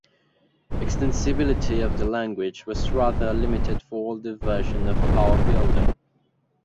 Extensibility of the language was rather limited for older versions of PowerBuilder.